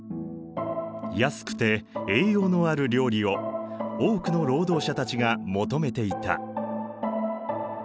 安くて栄養のある料理を多くの労働者たちが求めていた。